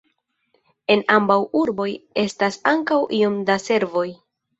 En ambaŭ urboj estas ankaŭ iom da servoj.